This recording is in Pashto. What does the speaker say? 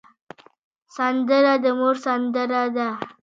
سندره د مور سندره ده